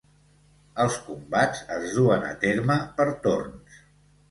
Els combats es duen a terme per torns.